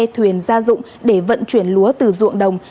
thuyền ra dụng để vận chuyển lúa từ ruộng đồng